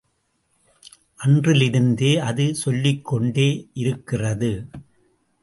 அன்றிலிருந்தே அது சொல்லிக்கொண்டேயிருக்கிறது.